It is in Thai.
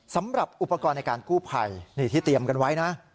สำหรับอุปกรณ์ในการกู้ภัยนี่ที่เตรียมกันไว้นะ